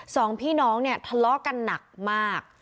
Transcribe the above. สองพี่น้องเนี่ยทะเลาะกันหนักมาก